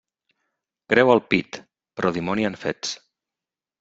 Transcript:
Creu al pit, però dimoni en fets.